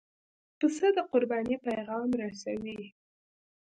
پسه د قربانۍ پیغام رسوي.